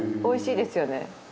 おいしいですよね。